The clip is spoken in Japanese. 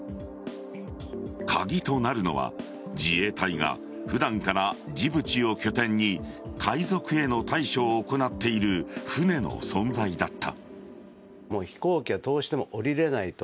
鍵となるのは自衛隊が普段からジブチを拠点に海賊への対処を行っている船の存在だった。